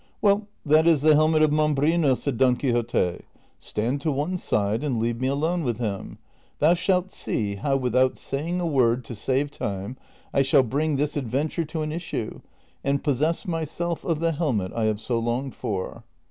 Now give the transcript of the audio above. " Well, that is the helmet of Mambrino," said Don Quixote ;" stand to one side and leave me alone with him ; thou shalt see how, without saying a word, to save time, I shall bring this adventure to an issue and possess myself of the helmet I have so longed for."